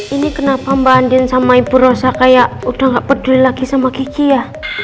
ini kenapa mbak andin sama ibu rosa kayak udah gak peduli lagi sama gigi ya